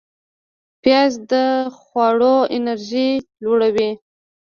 پیاز د خواړو انرژی لوړوي